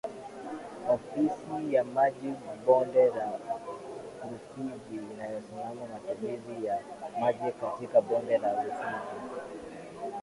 Ofisi ya Maji Bonde la Rufiji inayosimamia matumizi ya maji katika Bonde la Rufiji